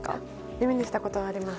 耳にしたことはあります。